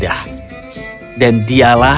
dan dia yang mencintai anak anak